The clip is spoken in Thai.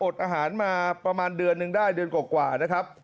อาหารมาประมาณเดือนนึงได้เดือนกว่านะครับ